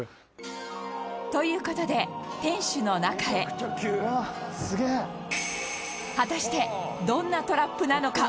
という事で、天守の中へ果たしてどんなトラップなのか？